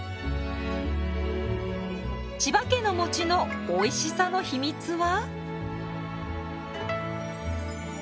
千葉家のもちのおいしさの秘密は。